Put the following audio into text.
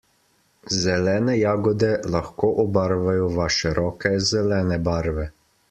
Zelene jagode lahko obarvajo vaše roke zelene barve.